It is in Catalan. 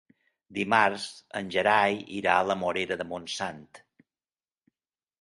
Dimarts en Gerai irà a la Morera de Montsant.